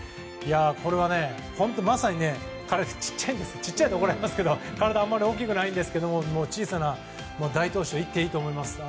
これはね、本当にまさに彼は小さいんですが体あまり大きくないんですけど小さな大投手と言っていいと思います。